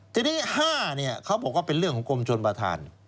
ทีนี้๕เขาบอกว่าเป็นเรื่องของกรมชนประธาน